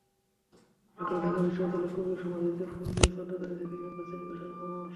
সকালে ঢাকা বিশ্ববিদ্যালয়ে কবির সমাধিতে ফুল দিয়ে শ্রদ্ধা জানিয়েছে বিভিন্ন শ্রেণি-পেশার মানুষ।